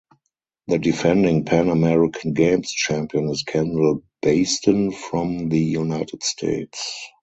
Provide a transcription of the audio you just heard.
The defending Pan American Games champion is Kendall Baisden from the United States.